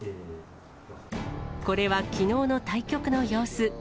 これはきのうの対局の様子。